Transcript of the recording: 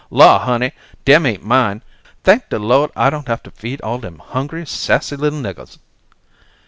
Law, honey, dem ain't mine. Thank de Lord, I don't have to feed all dem hungry, sassy, little niggahs."